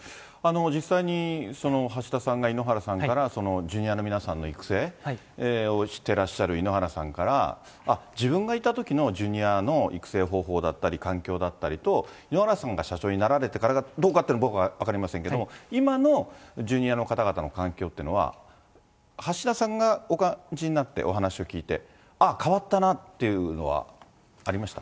実際に、橋田さんが井ノ原さんからジュニアの皆さんの育成をしてらっしゃる井ノ原さんから、あっ、自分がいたときのジュニアの育成方法だったり環境だったりと、井ノ原さんが社長になられてからどうかっていうのは僕は分かりませんけれども、今のジュニアの方々の環境っていうのは、橋田さんがお感じになって、お話を聞いて、ああ、変わったなっていうのはありました？